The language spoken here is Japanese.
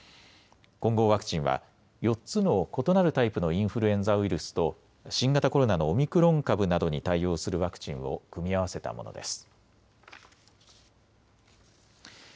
混合ワクチンは４つの異なるタイプのインフルエンザウイルスと新型コロナのオミクロン株などに対応するワクチンを組み合わせたものです。